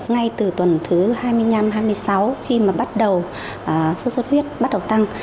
ngay từ tuần thứ hai mươi năm hai mươi sáu khi mà bắt đầu sốt xuất huyết bắt đầu tăng